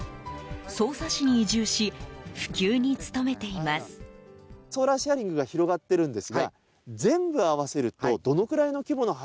匝瑳市に移住し普及に努めています。